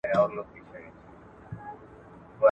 ارمني سفیر ځان د پاچاهانو له نسله ګاڼه.